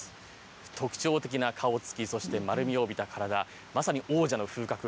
特徴的な顔つき、そして丸みを帯びた体、まさに王者の風格。